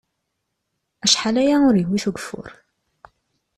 Acḥal aya ur yewwit ugeffur.